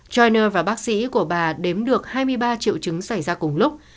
china và bác sĩ của bà đếm được hai mươi ba triệu chứng xảy ra cùng lúc